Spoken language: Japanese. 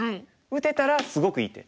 打てたらすごくいい手。